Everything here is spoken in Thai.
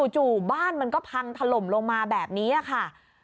จู่บ้านมันก็พังถล่มลงมาแบบนี้ค่ะ